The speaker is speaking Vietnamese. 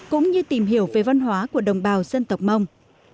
cũng như tìm hiểu về văn hóa của đồng bào dân tộc mông